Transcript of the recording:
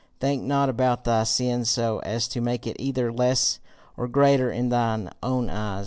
Think not about thy sin so as to make it either less or greater in thine own eyes.